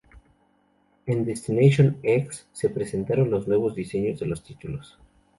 En Destination X, se presentaron los nuevos diseños de los títulos.